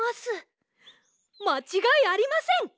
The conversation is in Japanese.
まちがいありません！